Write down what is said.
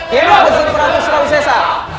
hidup gusti prabu surawisesa